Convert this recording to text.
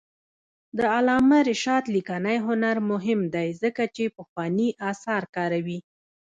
د علامه رشاد لیکنی هنر مهم دی ځکه چې پخواني آثار کاروي.